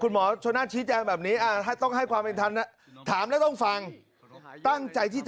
คุณหมอชนน่าติดแจ้งแบบนี้พี่ถามเวลาจะประกาศนี้